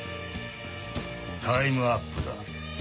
タイムアップだ。